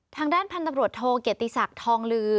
ทางด้านพันธุ์ตำรวจโทเกียรติศักดิ์ทองลือ